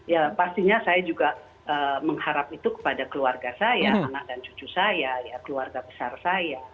ya pastinya saya juga mengharap itu kepada keluarga saya anak dan cucu saya keluarga besar saya